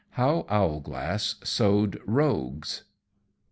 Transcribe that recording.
_How Owlglass sowed Rogues.